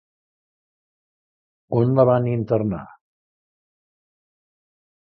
On la van internar?